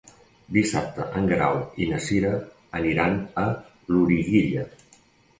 Dissabte en Guerau i na Cira aniran a Loriguilla.